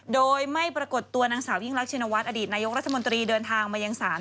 โดยไม่ปรากฏตัวนางสาวยิ่งรักชินวัฒนอดีตนายกรัฐมนตรีเดินทางมายังศาล